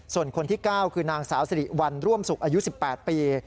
ส่วนคนที่๙คือนางสาวสิริวัลร่วมสุขอายุ๑๘ปี